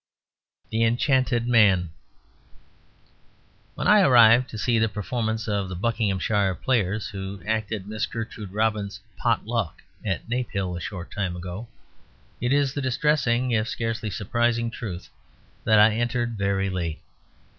THE ENCHANTED MAN When I arrived to see the performance of the Buckinghamshire Players, who acted Miss Gertrude Robins's POT LUCK at Naphill a short time ago, it is the distressing, if scarcely surprising, truth that I entered very late.